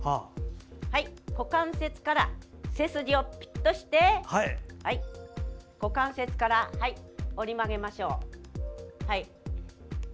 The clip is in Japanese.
股関節から背筋をピッとして股関節から折り曲げましょう。